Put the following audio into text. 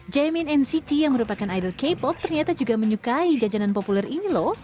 jamin nct yang merupakan idol k pop ternyata juga menyukai jajanan populer ini loh